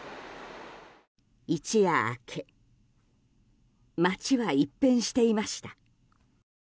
一夜明け町は一変していました。